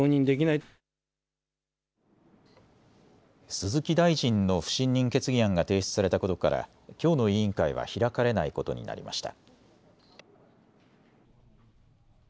鈴木大臣の不信任決議案が提出されたことからきょうの委員会は開かれないことになりました。